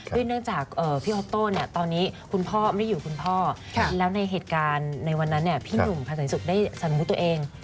เนื่องจากพี่ออโต้เนี่ยตอนนี้คุณพ่อไม่อยู่คุณพ่อแล้วในเหตุการณ์ในวันนั้นพี่หนุ่มพันธ์สุขได้สมมุติตัวเอง